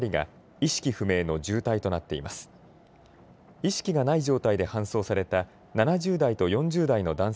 意識がない状態で搬送された７０代と４０代の男性